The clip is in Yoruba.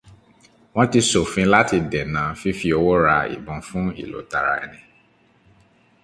Wọ́n ti ṣòfin láti dènà fífi owó ra ìbọn fún ìlò tara ẹni.